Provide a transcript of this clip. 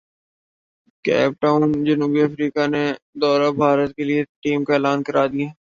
cap Town جنوبی افریقہ نے دورہ بھارت کیلئے ٹیم کا اعلان کردیا